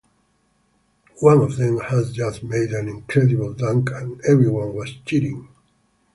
One of them had just made an incredible dunk and everyone was cheering.